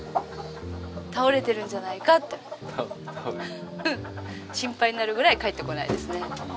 倒れてるんじゃないかって心配になるぐらい帰ってこないですね。